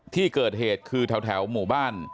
ที่เกิดเหตุคือแถวหมู่บ้าน